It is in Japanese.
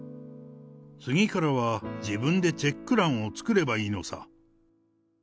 次からは自分でチェック欄を作ればいいのさ。